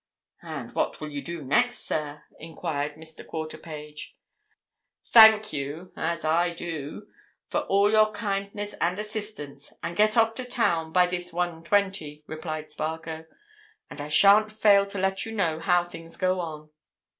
"And what will you do next, sir?" enquired Mr. Quarterpage. "Thank you—as I do—for all your kindness and assistance, and get off to town by this 1.20," replied Spargo. "And I shan't fail to let you know how things go on."